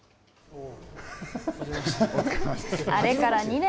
あれから２年。